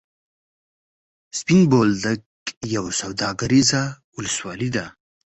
سپین بولدک یوه سوداګریزه ولسوالي ده.